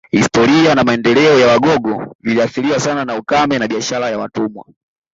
Historia na maendeleo ya Wagogo viliathiriwa sana na ukame na biashara ya watumwa